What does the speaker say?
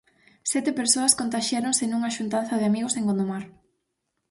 Sete persoas contaxiáronse nunha xuntanza de amigos en Gondomar.